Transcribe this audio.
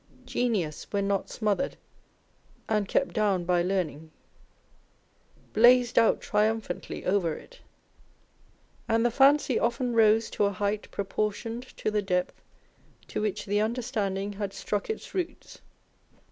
Genius, when not smothered and kept down by learning, blazed out triumphantly over it ; and the Fancy often rose to a height proportioned to the depth to which the Understanding had struck its roots.